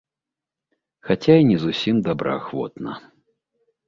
Хаця і не зусім добраахвотна.